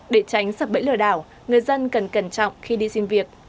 để tránh sập bẫy lừa đảo người dân cần cẩn trọng khi đi xin việc